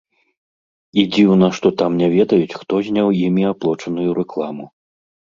І дзіўна, што там не ведаюць, хто зняў імі аплочаную рэкламу.